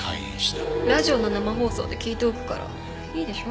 ラジオの生放送で聞いておくからいいでしょ？